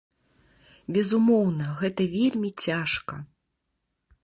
Безумоўна, гэта вельмі цяжка.